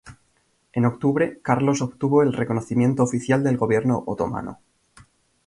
En octubre, Carlos obtuvo el reconocimiento oficial del Gobierno otomano.